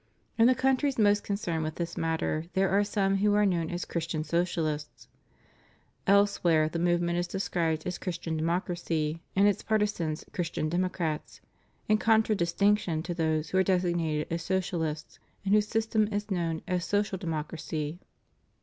In the countries most concerned with this matter, there are some who are known as Christian Socialists. Else where the movement is described as Christian Democracy, and its partisans Christian Democrats, in contradistinction to those who are designated as Socialists, and whose system is known as Social Democracy.